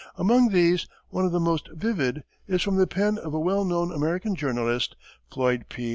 Among these one of the most vivid is from the pen of a well known American journalist, Floyd P.